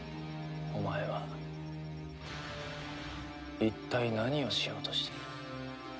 お前は一体何をしようとしている？